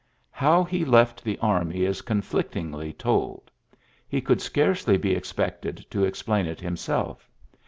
How he left the army is conflictingly told. He could scarcely be expected to explain it himself.